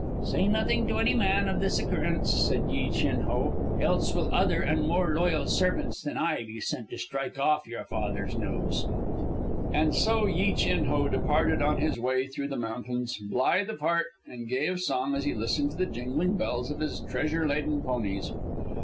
"Say nothing to any man of this occurrence," said Yi Chin Ho, "else will other and more loyal servants than I be sent to strike off your father's nose." And so Yi Chin Ho departed on his way through the mountains, blithe of heart and gay of song as he listened to the jingling bells of his treasure laden ponies.